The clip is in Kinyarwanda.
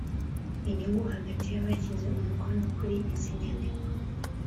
Inyungu hagati yabashyize umukono kuri izi nyandiko